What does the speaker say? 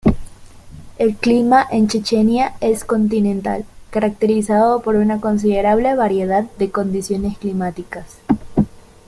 El clima en Chechenia es continental, caracterizado por una considerable variedad de condiciones climáticas.